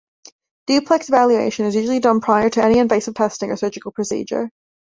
Duplex evaluation is usually done prior to any invasive testing or surgical procedure.